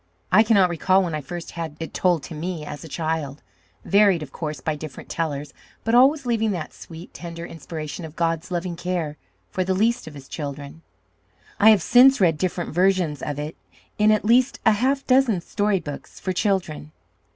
I cannot recall when I first had it told to me as a child, varied, of course, by different tellers, but always leaving that sweet, tender impression of God's loving care for the least of his children. I have since read different versions of it in at least a half dozen story books for children.